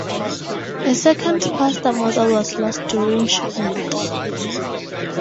A second plaster model was lost during shipment.